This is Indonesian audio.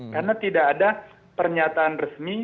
karena tidak ada pernyataan resmi